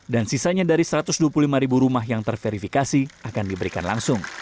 dan sisanya dari satu ratus dua puluh lima rumah yang terverifikasi akan diberikan langsung